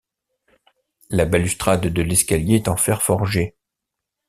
La balustrade de l'escalier est en fer forgé.